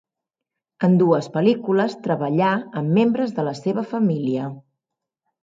En dues pel·lícules treballà amb membres de la seva família.